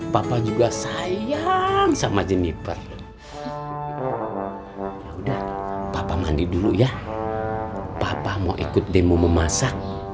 papa juga sayang sama jenniper udah papa mandi dulu ya papa mau ikut demo memasak